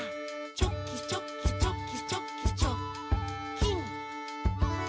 「チョキチョキチョキチョキチョッキン！」